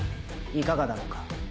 いかがだろうか？